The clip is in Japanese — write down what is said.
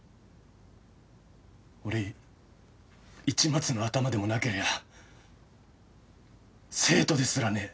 俺市松のアタマでもなけりゃ生徒ですらねえ。